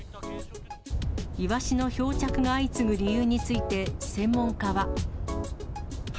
イワシの漂着が相次ぐ理由について、専門家は。